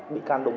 bị can đồng ý